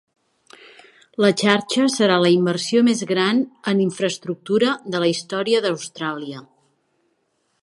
La xarxa serà la inversió més gran en infraestructura de la història d'Austràlia.